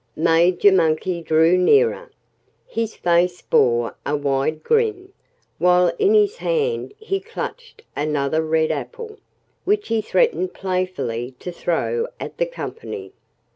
Major Monkey drew nearer. His face bore a wide grin; while in his hand he clutched another red apple, which he threatened playfully to throw at the company.